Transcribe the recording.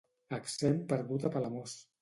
Accent perdut a Palamós